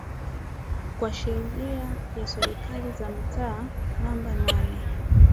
kwa sheria ya Serikali za Mitaa namba nane